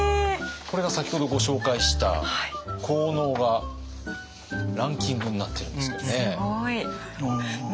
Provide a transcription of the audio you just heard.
これが先ほどご紹介した効能がランキングになってるんですけどね。